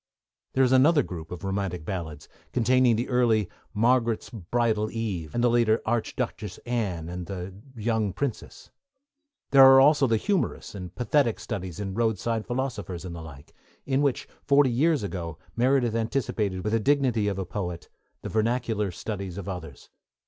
There is another group of romantic ballads, containing the early Margaret's Bridal Eve, and the later Arch duchess Anne and The Young Princess. There are also the humorous and pathetic studies in Roadside Philosophers and the like, in which, forty years ago, Meredith anticipated, with the dignity of a poet, the vernacular studies of others.